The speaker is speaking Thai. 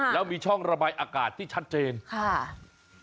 แล้วมีช่องระบายอากาศที่ชัดเจนค่ะ